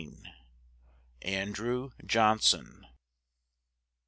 AN DREW JOHN SON.